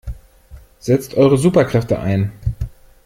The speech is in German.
Setzt eure Superkräfte ein!